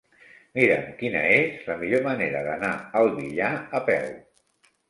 Mira'm quina és la millor manera d'anar al Villar a peu.